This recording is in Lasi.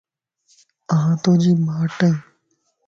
آن توجي ماٽئين